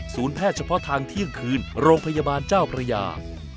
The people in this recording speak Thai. แพทย์เฉพาะทางเที่ยงคืนโรงพยาบาลเจ้าพระยา